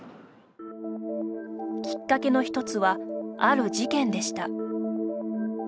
きっかけのひとつはある事件でした。